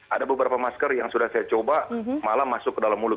ada beberapa masker yang sudah saya coba malah masuk ke dalam mulut